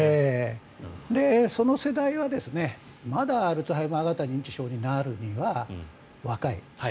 その世代はまだアルツハイマー型認知症になるには若い。